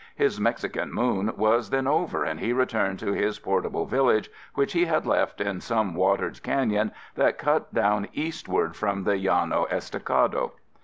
His Mexican Moon was then over and he returned to his portable village which he had left in some watered canyon that cut down eastward from the Llano Estacado.